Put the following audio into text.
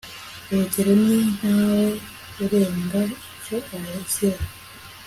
urugero ni ntawe urenga icyo azira